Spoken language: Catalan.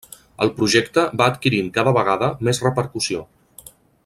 El projecte va adquirint cada vegada més repercussió.